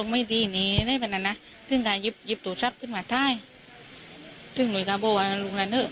ไม่ค่อยมีใครชอบเองหรอ